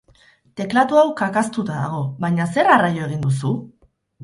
Teklatu hau kakaztuta dago, baina zer arraio egin duzu?